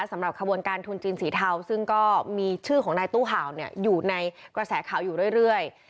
สำหรับขบวนการทุนจีนสีเทาซึ่งก็มีชื่อของนายตู้ห่าวอยู่ในกระแสข่าวอยู่เรื่อย